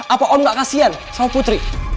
apa om gak kasian sama putri